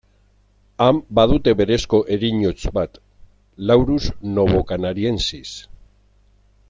Han badute berezko ereinotz bat, Laurus novocanariensis.